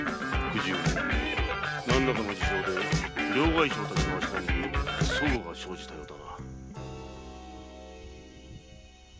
何らかの事情で両替商たちの足並みに齟齬が生じたのだ。